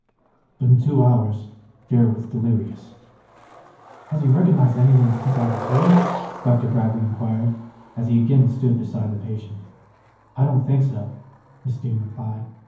But in two hours Darrell was delirious. "Has he recognized any one since I was here?" Dr. Bradley inquired, as he again stood beside the patient. "I don't think so," Mrs. Dean replied.